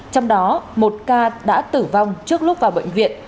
trong đó một ca đã tử vong trước lúc vào bệnh viện